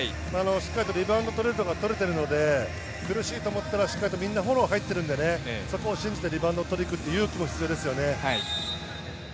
しっかりリバウンドを取れるところは取れているので、苦しいと思ったらみんながフォローに入っているので、信じてリバウンドを取りに行く勇気が必要ですね。